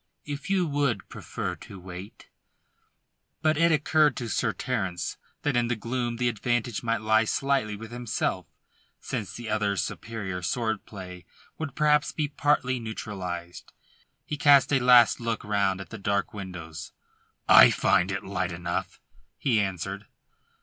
"If you would prefer to wait " But it occurred to Sir Terence that in the gloom the advantage might lie slightly with himself, since the other's superior sword play would perhaps be partly neutralised. He cast a last look round at the dark windows. "I find it light enough," he answered.